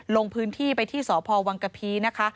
ลงพื้นที่ไปที่สพวังกะพีนะคะ